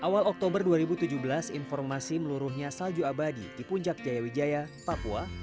awal oktober dua ribu tujuh belas informasi meluruhnya salju abadi di puncak jaya wijaya papua